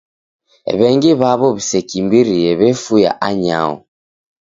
W'engi w'aw'o w'isekimbirie w'efuya anyaho.